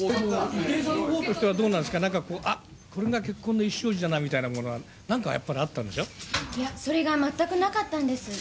郁恵さんのほうとしてはどうだったんですか、なんか、あっ、これが結婚の意思表示だなみたいなものはなんかやっぱりあったんいや、それが全くなかったんです。